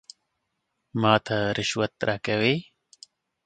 ته ماته رشوت راکوې ؟